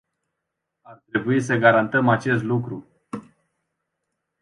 Ar trebui să garantăm acest lucru.